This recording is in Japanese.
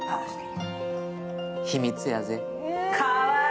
秘密やぜ。